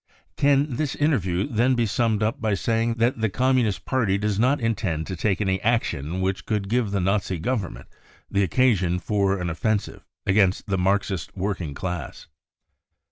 9 " 4 Can this interview then be summed up by saying that the Communist Party does not intend to take any action which could give the Nazi Government the occa sion for an offensive against the Marxist working class